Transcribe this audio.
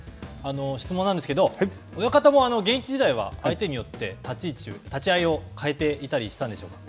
質問なんですけど、親方も現役時代は、相手によって立ち合いを変えていたりしたんでしょうか。